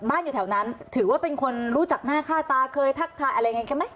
อยู่แถวนั้นถือว่าเป็นคนรู้จักหน้าค่าตาเคยทักทายอะไรไงแค่ไหม